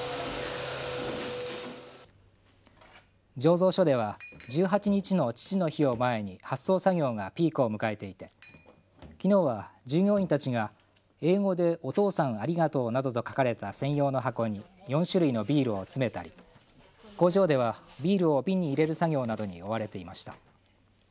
醸造所では１８日の父の日を前に発送作業がピークを迎えていてきのうは従業員たちが英語でお父さんありがとうなどと書かれた専用の箱に４種類のビールを詰めたり工場ではビールを瓶に入れる作業などに追われていました。